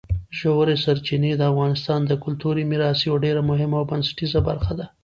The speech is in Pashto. ژورې سرچینې د افغانستان د کلتوري میراث یوه ډېره مهمه او بنسټیزه برخه ده.